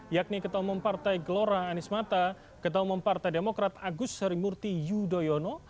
yakni ketua umum partai gelora anies mata ketua umum partai demokrat agus harimurti yudhoyono